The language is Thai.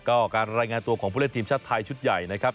ก็การรายงานตัวของผู้เล่นทีมชาติไทยชุดใหญ่นะครับ